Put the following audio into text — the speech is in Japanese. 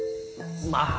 まあ。